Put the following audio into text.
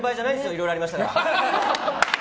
いろいろありました！